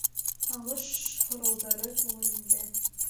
Һағыш-һорауҙары күңелендә.